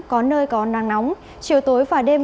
có nơi có nắng nóng chiều tối và đêm